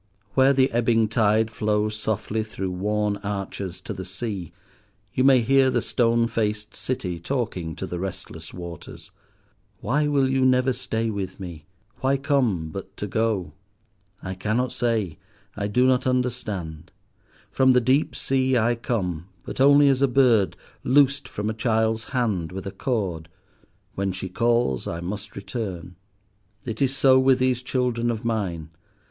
Where the ebbing tide flows softly through worn arches to the sea, you may hear the stone faced City talking to the restless waters: "Why will you never stay with me? Why come but to go?" "I cannot say, I do not understand. From the deep sea I come, but only as a bird loosed from a child's hand with a cord. When she calls I must return." "It is so with these children of mine.